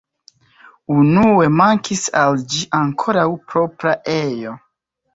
Unue mankis al ĝi ankoraŭ propra ejo.